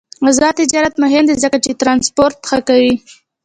آزاد تجارت مهم دی ځکه چې ترانسپورت ښه کوي.